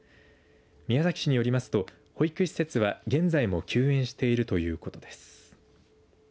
宮崎市によりますと保育施設は現在も休園しているということです。